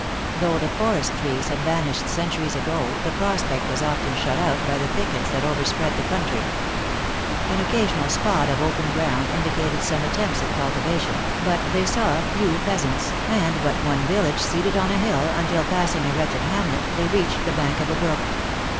Though the forest trees had vanished centuries ago, the prospect was often shut out by the thickets that overspread the country. An occasional spot of open ground indicated some attempts at culti vation, but they saw few peasants, and but one village seated on a hill, until passing a wretched hamlet, they reach the bank of a brook.